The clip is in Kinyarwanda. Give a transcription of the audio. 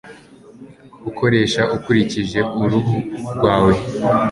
ukoresha ukurikije uruhu rwawe,